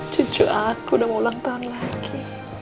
cucu aku udah mau ulang tahun lagi